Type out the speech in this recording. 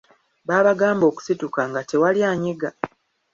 Baabagambanga okusituka nga tewali anyega.